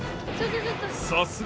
さすが